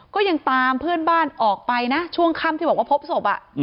ก็ยังตามเพื่อนบ้านออกไปนะช่วงค่ำที่บอกว่าพบศพ